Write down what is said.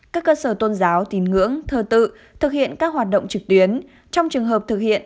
các cơ sở tôn giáo tín ngưỡng thờ tự thực hiện các hoạt động trực tuyến trong trường hợp thực hiện